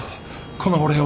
このお礼は。